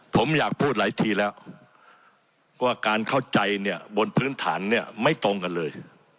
ผมอยากพูดหลายทีแล้วว่าการเข้าใจเนี่ยบนพื้นฐานเนี่ยไม่ตรงกันเลย